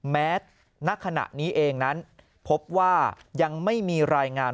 ณขณะนี้เองนั้นพบว่ายังไม่มีรายงาน